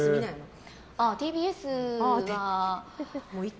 ＴＢＳは。